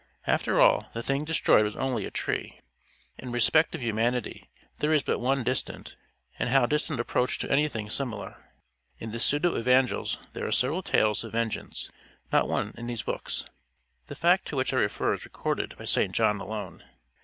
After all, the thing destroyed was only a tree. In respect of humanity there is but one distant, and how distant approach to anything similar! In the pseudo evangels there are several tales of vengeance not one in these books. The fact to which I refer is recorded by St John alone.